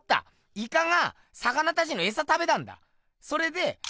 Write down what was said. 烏賊が魚たちの餌食べたんだ！